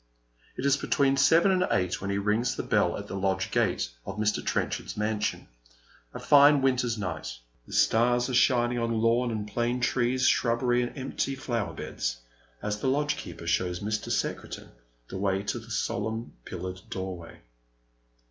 It is between seven and eight when he rings the bell at the lodge gate of Mr. Trenchard's mansion, a fine winter's night. The stars are shining on lawn and plane trees, shrubbery and empty flower beds, as the lodgekeeper shows Mr. Secretan the way to the solemn pillared doorway.